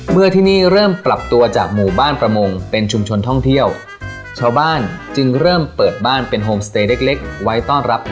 เมื่อที่นี้เริ่มปรับตัวจากหมู่บ้านปรมงค์เป็นชุมชนท่องเที่ยวชาวบ้านจึงเริ่มเปิดบ้านเป็น